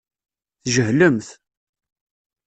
Tjehlemt.